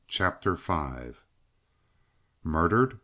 CHAPTER V "Murdered?